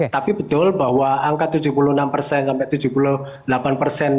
tapi betul bahwa angka tujuh puluh enam persen sampai tujuh puluh delapan persen